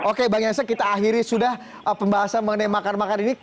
oke bang jansen kita akhiri sudah pembahasan mengenai makar makar ini